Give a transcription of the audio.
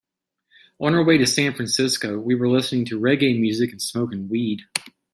On our way to San Francisco, we were listening to reggae music and smoking weed.